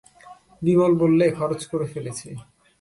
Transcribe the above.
বিমল বললে, খরচ করে ফেলেছি।